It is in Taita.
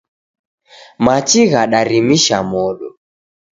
Machi ghadarimisha modo.